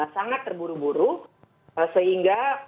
sangat terburu buru sehingga